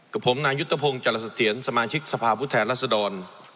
กับผมนางยุตภพงศ์จรษฐียนตร์สมาชิกสภาพุทธแทนรัศดร